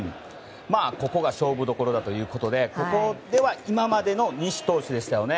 ここが勝負どころだということでここでは今までの西投手でしたよね。